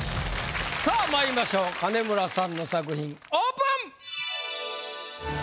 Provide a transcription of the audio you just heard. さぁまいりましょう金村さんの作品オープン！